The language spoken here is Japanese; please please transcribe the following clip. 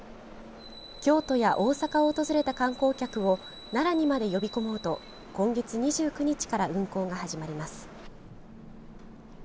京都や大阪を訪れた観光客を奈良にまで呼び込もうと今月２９日から運行が始まります。